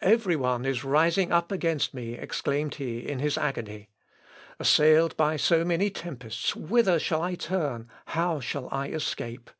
"Every one is rising up against me," exclaimed he in his agony. "Assailed by so many tempests, whither shall I turn, how shall I escape?...